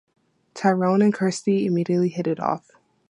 Tyrone and Kirsty immediately hit it off.